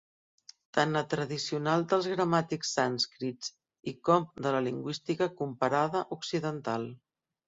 Tant la tradicional dels gramàtics sànscrits i com de la lingüística comparada occidental.